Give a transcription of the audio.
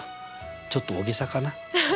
ちょっと大げさかな？